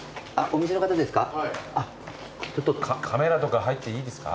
カメラとか入っていいですか？